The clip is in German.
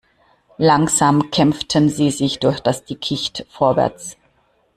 Langsam kämpften sie sich durch das Dickicht vorwärts.